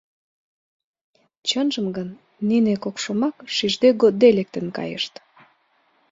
Чынжым гын, нине кок шомак шижде-годде лектын кайышт.